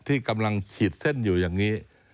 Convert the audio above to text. ที่กำลังขีดเส้นอยู่อย่างนี้